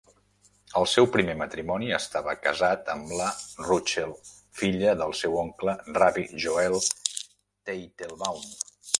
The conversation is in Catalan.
Al seu primer matrimoni, estava casat amb la Ruchel, filla del seu oncle Rabbi Joel Teitelbaum.